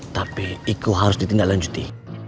tapi iku harus ditindaklanjuti